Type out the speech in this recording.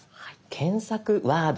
検索ワード